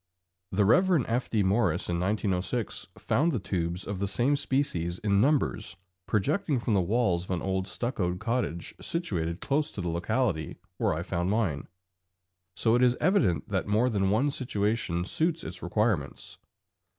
The Rev. F. D. Morice in 1906 found the tubes of the same species in numbers projecting from the walls of an old stuccoed cottage situated close to the locality where I found mine, so it is evident that more than one situation suits its requirements.